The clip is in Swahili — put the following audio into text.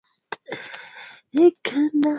aa kuna ma mambo mawili ambayo yana yanata